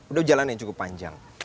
udah jalan yang cukup panjang